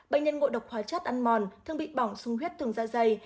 bệnh nhân ngộ độc hóa chất ăn mòn thường bị bỏng sung huyết thường dạ dày